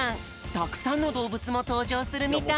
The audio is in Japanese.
たくさんのどうぶつもとうじょうするみたい。